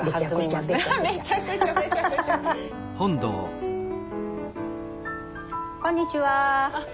あっこんにちは。